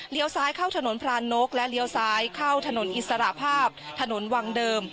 ซ้ายเข้าถนนพรานนกและเลี้ยวซ้ายเข้าถนนอิสระภาพถนนวังเดิม